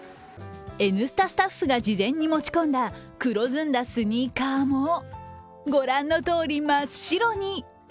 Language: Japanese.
「Ｎスタ」スタッフが事前に持ち込んだ黒ずんだスニーカーも御覧のとおり、真っ白に。